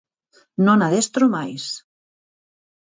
Non adestro máis.